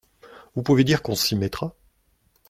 Vous pouvez dire qu’on s’y mettra.